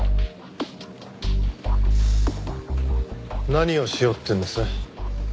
何をしようっていうんです？